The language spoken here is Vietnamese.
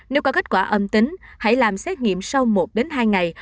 nếu có kết quả âm tính hãy làm xét nghiệm sau một đến hai ngày